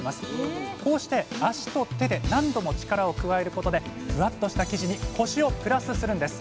こうして足と手で何度も力を加えることでふわっとした生地にコシをプラスするんです